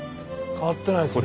変わってないですね。